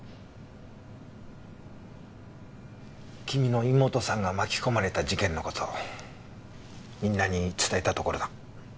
君の妹さんが巻き込まれた事件の事みんなに伝えたところだ。